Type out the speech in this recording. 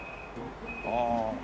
ああ。